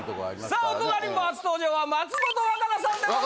さあお隣も初登場は松本若菜さんでございます！